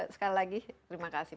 sekali lagi terima kasih